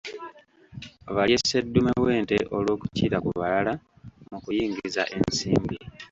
Balye sseddume w'ente olw'okukira ku balala mu kuyingiza ensimbi.